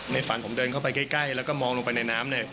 ฝันผมเดินเข้าไปใกล้แล้วก็มองลงไปในน้ำเนี่ย